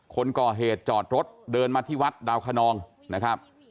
คนก่อเหตุจอดรถเดินมาที่วัดดาวคนองนะครับ